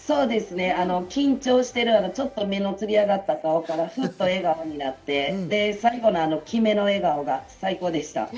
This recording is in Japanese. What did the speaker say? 緊張しているちょっと目のつり上がった顔からふっと笑顔になって、最後の決めの笑顔が最高でした。